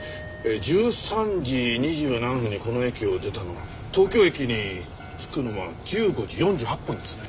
１３時２７分にこの駅を出たのが東京駅に着くのは１５時４８分ですね。